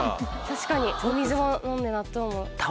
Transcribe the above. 確かにお水も飲んで納豆も。